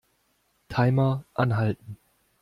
Timer anhalten.